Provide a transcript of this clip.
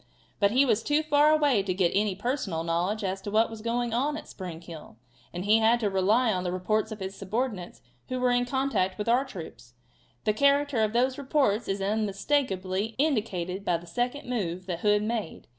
But he was too far away to get any personal knowledge as to what was going on at Spring Hill, and he had to rely on the reports of his subordinates who were in contact with our troops. The character of those reports is unmistakably indicated by the second move that Hood made.